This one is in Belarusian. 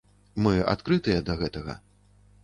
Мы адкрытыя да гэтага.